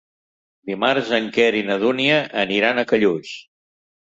Dimarts en Quer i na Dúnia aniran a Callús.